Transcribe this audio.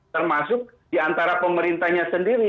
termasuk diantara pemerintahnya sendiri